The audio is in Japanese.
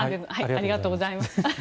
ありがとうございます。